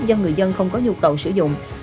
do người dân không có nhu cầu sử dụng